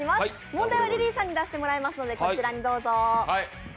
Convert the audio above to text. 問題はリリーさんに出していだたきますので、こちらにどうぞ。